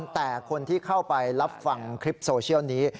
แต่คนที่เข้าไปรับฟังคลิปโซเชียลนี้